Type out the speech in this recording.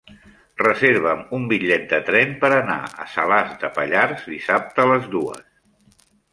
Reserva'm un bitllet de tren per anar a Salàs de Pallars dissabte a les dues.